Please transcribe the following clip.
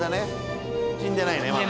死んでないねまだ。